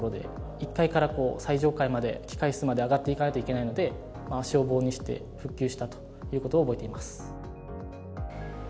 １階から最上階まで、機械室まで上がっていかないといけないので、足を棒にして復旧したということを覚えています。